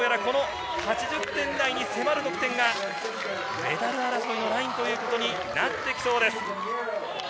８０点台に迫る得点がメダル争いのラインとなってきそうです。